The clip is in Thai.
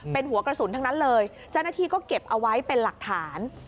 เป็นหัวกระสุนทั้งนั้นเลยเจ้าหน้าที่ก็เก็บเอาไว้เป็นหลักฐาน